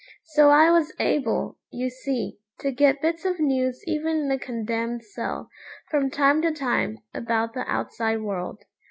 So I was able, you see, to get bits of news even in a condemned cell, from time to time, about the outside world.